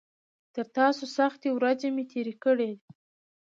تر تاسو سختې ورځې مې تېرې کړي.